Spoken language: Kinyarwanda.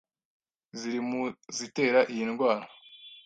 ziri mu zitera iyi ndwara,